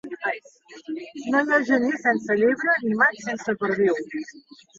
No hi ha gener sense llebre, ni maig sense perdiu.